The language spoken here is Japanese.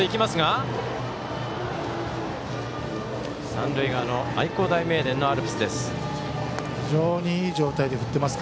三塁側の愛工大名電のアルプスです。